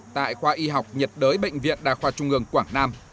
tại khoa y học nhiệt đới bệnh viện đà khoa trung ương quảng nam